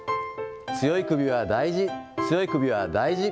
強い首は大事、強い首は大事。